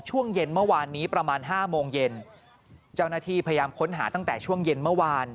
ช่วงเย็นเมื่อวานนี้ประมาณห้าโมงเย็นเจ้าหน้าที่พยายามค้นหาตั้งแต่ช่วงเย็นเมื่อวาน